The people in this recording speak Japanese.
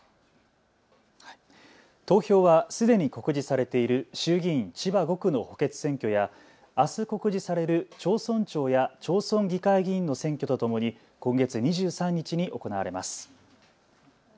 投票はすでに告示されている衆議院千葉５区の補欠選挙やあす告示される町村長や町村議会議員の選挙とともに今月２３日に行われます。